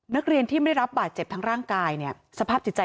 นักเรียนที่ไม่ได้รับบาดเจ็บทั้งร่างกายเนี่ยสภาพจิตใจ